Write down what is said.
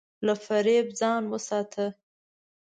له فریب ځان وساته.